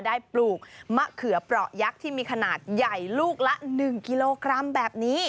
ปลูกมะเขือเปราะยักษ์ที่มีขนาดใหญ่ลูกละ๑กิโลกรัมแบบนี้